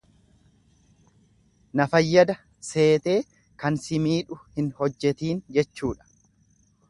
Na fayyada seetee kan si miidhu hin hojjetiin jechuudha.